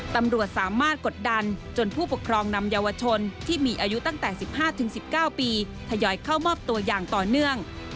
ตำรวจสามารถกดดันจนผู้ปกครองนำเยาวชนที่มีอายุตั้งแต่๑๕๑๙ปีทยอยเข้ามอบตัวอย่างต่อเนื่อง